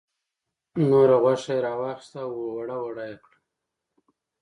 نوره غوښه یې را واخیسته او وړه وړه یې کړه.